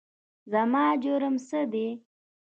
زما جرم څه دی ؟؟